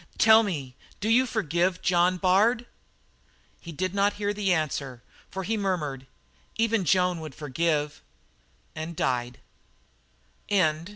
Tell me; do you forgive John Bard?" He did not hear the answer, for he murmured: "Even Joan would forgive," and died.